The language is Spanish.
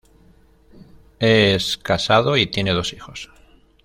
Es casado y tiene dos hijos.